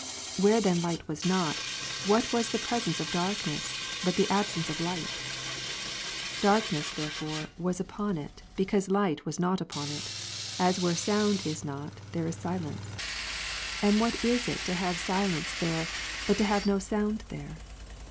Where then light was not, what was the presence of darkness, but the absence of light ? Darkness therefore ivas upon it, because light was not upon it, as where sound is not, there is silence. And what is it to have silence there, but to have no sound thei'e